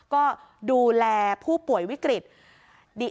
ก็ดูแลผู้ป่วยวิกฤต